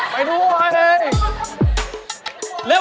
ไปทุกคนไปเลย